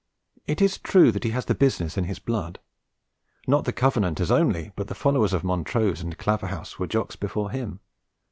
It is true that he has the business in his blood: not the Covenanters only but the followers of Montrose and Claverhouse were Jocks before him.